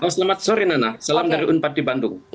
selamat sore nana salam dari unpad di bandung